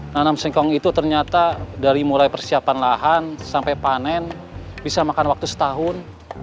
nanam singkong itu ternyata dari mulai persiapan lahan sampai panen bisa makan waktu setahun